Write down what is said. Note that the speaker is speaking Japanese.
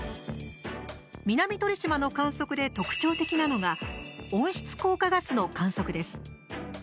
南鳥島の観測で特徴的なのが温室効果ガスの観測です。